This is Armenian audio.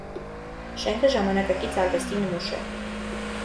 Շենքը ժամանակակից արվեստի նմուշ է։